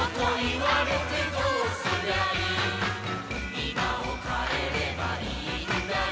「今を変えればいいんだよ」